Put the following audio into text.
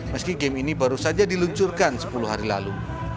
meski game ini baru saja diluncurkan sepuluh hari lalu